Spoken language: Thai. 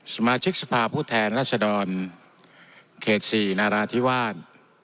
สมาชิกสภาพผู้แทนรัศดรเขต๔นาราธิวาส